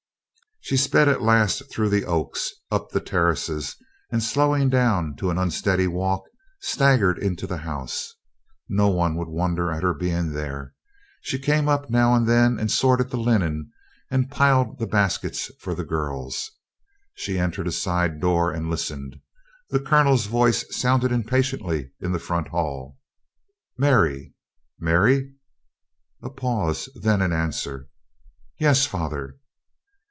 She sped at last through the oaks, up the terraces, and slowing down to an unsteady walk, staggered into the house. No one would wonder at her being there. She came up now and then and sorted the linen and piled the baskets for her girls. She entered a side door and listened. The Colonel's voice sounded impatiently in the front hall. "Mary! Mary?" A pause, then an answer: "Yes, father!"